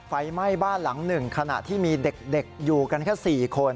ไฟไหม้บ้านหลังหนึ่งขณะที่มีเด็กอยู่กันแค่๔คน